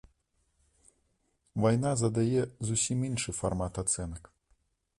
Вайна задае зусім іншы фармат ацэнак.